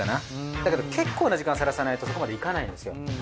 だけど結構な時間さらさないとそこまでいかないんですよ。